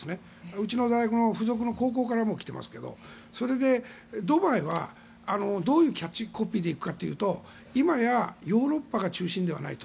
うちの大学の付属の高校からもう来てますがそれでドバイはどういうキャッチコピーで行くかというと今や、ヨーロッパが中心ではないと。